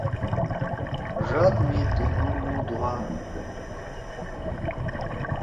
ڙاد می تُنُو مُو دُھوا۔